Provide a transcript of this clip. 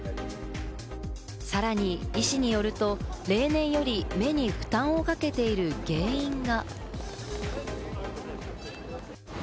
さらに医師によると、例年より目に負担をかけている原因が。